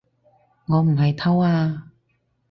我唔係偷啊